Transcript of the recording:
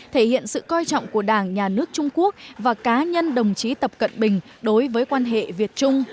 thể hiện sự coi trọng của đảng nhà nước trung quốc và cá nhân đồng chí tập cận bình đối với quan hệ việt trung